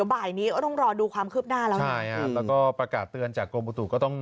เราก็ฟังข่าวมาวันพฤหัสถูกมั้ย